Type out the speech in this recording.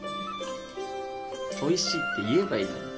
おいしいって言えばいいのに。